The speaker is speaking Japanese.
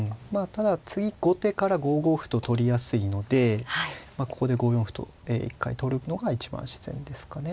ただ次後手から５五歩と取りやすいのでここで５四歩と一回取るのが一番自然ですかね。